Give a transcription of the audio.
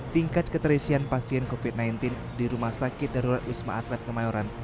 tingkat keterisian pasien covid sembilan belas di rumah sakit darurat wisma atlet kemayoran